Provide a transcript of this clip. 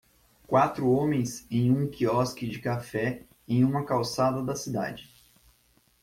Quatro homens em um quiosque de café em uma calçada da cidade.